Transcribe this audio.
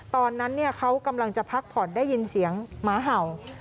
ตอนนั้นเขากำลังจะพักผ่อนได้ยินเสียงหมาเห่า